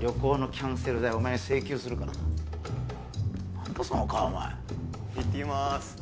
旅行のキャンセル代お前に請求するからな何だその顔お前行ってきまーす